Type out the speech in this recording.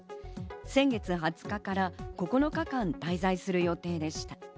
先月２０日から９日間滞在する予定でした。